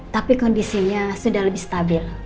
tapi kondisinya sudah lebih stabil